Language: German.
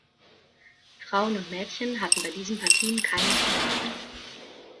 Frauen und Mädchen hatten bei diesen Partien keinen Zutritt.